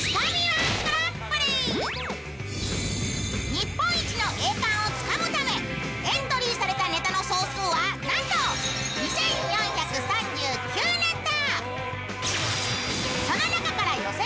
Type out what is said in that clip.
日本一の栄冠をつかむためエントリーされたネタの総数はなんと２４３９ネタ！